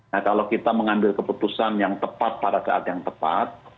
nah kalau kita mengambil keputusan yang tepat pada saat yang tepat